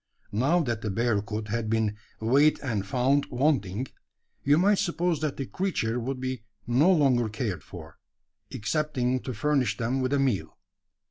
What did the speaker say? Now that the bearcoot had been "weighed and found wanting," you might suppose that the creature would be no longer cared for excepting to furnish them with a meal.